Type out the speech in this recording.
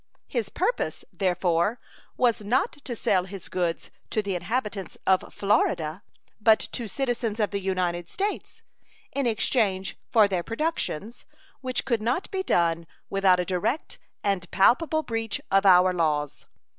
His purpose, therefore, was not to sell his goods to the inhabitants of Florida, but to citizens of the United States, in exchange for their productions, which could not be done without a direct and palpable breach of our laws.